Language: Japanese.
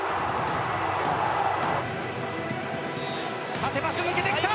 縦パス抜けてきた！